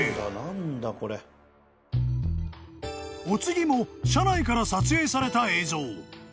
［お次も車内から撮影された映像］